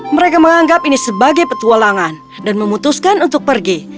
mereka menganggap ini sebagai petualangan dan memutuskan untuk pergi